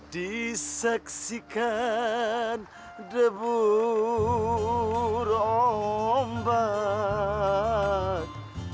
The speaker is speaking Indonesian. disaksikan debu rombat